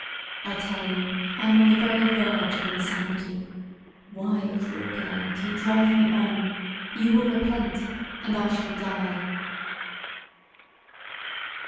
I tell you I am on the very verge of insanity; why, cruel girl, do you drive me on: you will repent and I shall die."